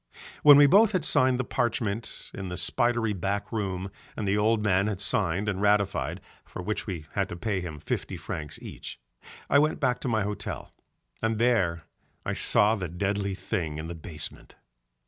When we both had signed the parchment in the spidery back room and the old man had signed and ratified (for which we had to pay him fifty francs each) I went back to my hotel, and there I saw the deadly thing in the basement.